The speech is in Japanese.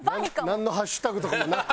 なんのハッシュタグとかもなく。